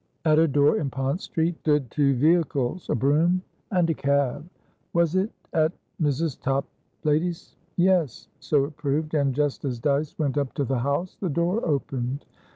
At a door in Pont Street stood two vehicles, a brougham and a cab. Was it at Mrs. Toplady's? Yes, so it proved; and, just as Dyce went up to the house, the door opened.